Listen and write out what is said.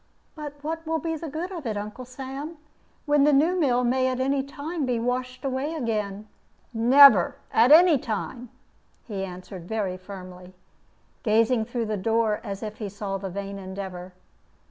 "But what will be the good of it, Uncle Sam, when the new mill may at any time be washed away again?" "Never, at any time," he answered, very firmly, gazing through the door as if he saw the vain endeavor.